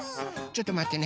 ちょっとまって。